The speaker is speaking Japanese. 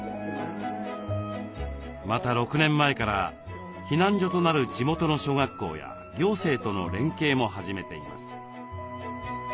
また６年前から避難所となる地元の小学校や行政との連携も始めています。